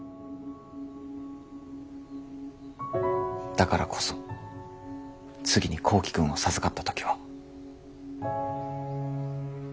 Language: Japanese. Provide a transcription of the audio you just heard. だからこそ次に幸希くんを授かった時は。